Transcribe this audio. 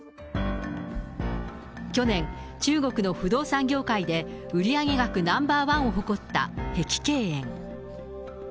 去年、中国の不動産業界で売上額ナンバーワンを誇った碧桂園。